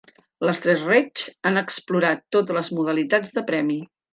Les tres Reig han explorat totes les modalitats de premi.